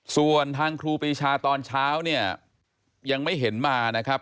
ส่วนทางครูปีชาตอนเช้าเนี่ยยังไม่เห็นมานะครับ